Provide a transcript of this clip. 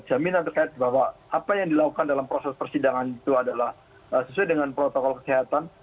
jaminan terkait bahwa apa yang dilakukan dalam proses persidangan itu adalah sesuai dengan protokol kesehatan